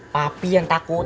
papi yang takut